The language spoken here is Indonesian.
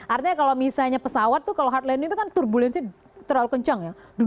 artinya kalau misalnya pesawat tuh kalau hard landing itu kan turbulensi terlalu kencang ya